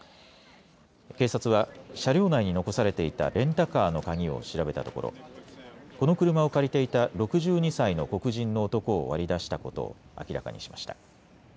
警察は車両内に残されていたレンタカーの鍵を調べたところこの車を借りていた６２歳の黒人の男を割り出したことを明らかにしました。